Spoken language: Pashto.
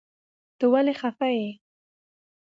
ته ولي خفه يي